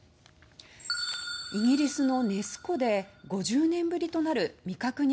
イギリスのネス湖で５０年ぶりとなる未確認